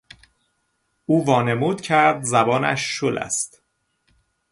او وانمود کرد زبانش شل است.